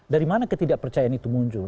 dari mana ketidakpercayaan itu muncul